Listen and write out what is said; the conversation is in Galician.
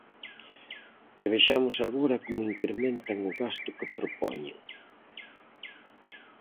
E vexamos agora como incrementan o gasto que propoñen.